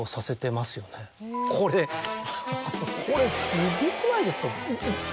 これこれすごくないですか？